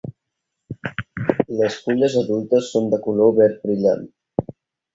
Les fulles adultes són de color verd brillant.